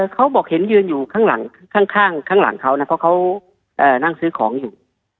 เขาบอกเห็นยืนอยู่ข้างหลังเขานะเพราะเขานั่งซื้อของอยู่